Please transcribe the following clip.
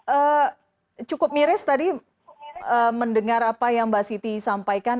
eee cukup miris tadi mendengar apa yang mbak siti sampaikan